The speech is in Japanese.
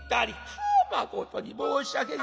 「はまことに申し訳ございません。